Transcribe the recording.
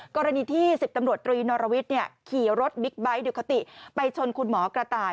กรณีที่๑๐ตำรวจตรีนอรวิทย์ขี่รถบิ๊กไบท์ดิคาติไปชนคุณหมอกระต่าย